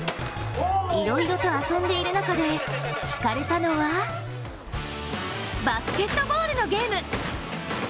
いろいろと遊んでいる中でひかれたのはバスケットボールのゲーム。